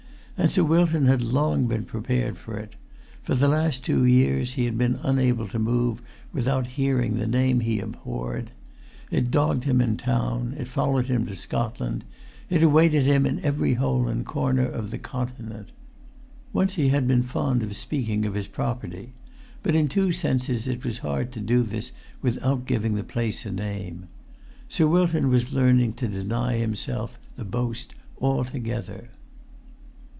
And Sir Wilton had long been prepared for it; for the last two years he had been unable to move without hearing the name he abhorred; it dogged him in town, it followed him to Scotland, it awaited him in every hole and corner of the Continent. Once he had been fond of speaking of his property; but in two senses it was hard to do this without giving the place a name. Sir Wilton was learning to deny himself the boast altogether.